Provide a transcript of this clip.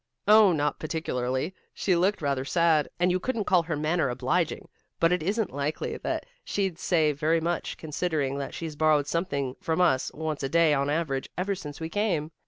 "Oh, not particularly. She looked rather sad, and you couldn't call her manner obliging, but it isn't likely that she'd say very much, considering that she's borrowed something from us once a day on an average, ever since we came."